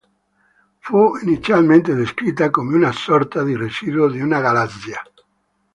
Fu inizialmente descritta come una sorta di residuo di una galassia.